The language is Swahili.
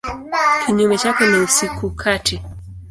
Kinyume chake ni usiku kati.